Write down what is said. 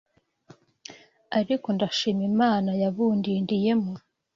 ariko ndashima Imana yabundindiyemo